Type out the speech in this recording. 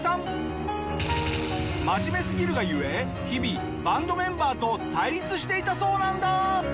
真面目すぎるが故日々バンドメンバーと対立していたそうなんだ！